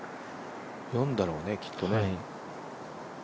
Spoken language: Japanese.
４だろうね、きっとね。